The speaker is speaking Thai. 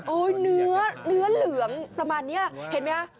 เนื้อเหลืองประมาณนี้เห็นไหมคะ